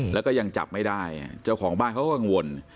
แล้วก็ยังจับไม่ได้เจ้าของบ้านเขาก็กังวล